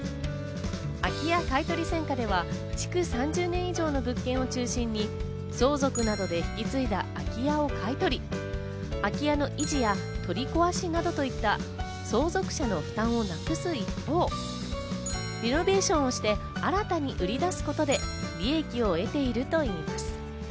空き家買取専科では、築３０年以上の物件を中心に、相続などで引き継いだ空き家を買い取り、空き家の維持や取り壊しなどといった相続者の負担を託す一方、リノベーションをして、新たに売り出すことで利益を得ているといいます。